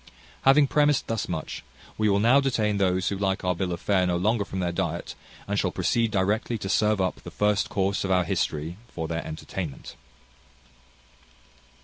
Having premised thus much, we will now detain those who like our bill of fare no longer from their diet, and shall proceed directly to serve up the first course of our history for their entertainment.